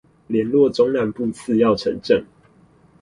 連絡中南部次要城鎮